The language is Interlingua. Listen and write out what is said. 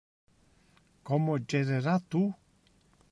Como gerera tu?